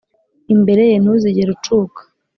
Imbere ye ntuzigere ucuka